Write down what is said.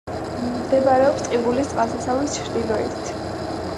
მდებარეობს ტყიბულის წყალსაცავის ჩრდილოეთით.